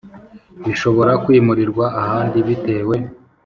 Bishobora kwimurirwa ahandi bitewe